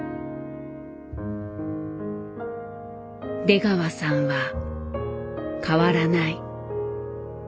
出川さんは変わらない。